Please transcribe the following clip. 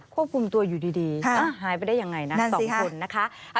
ควบคุมตัวอยู่ดีหายไปได้ยังไงนะ๒คนนะคะ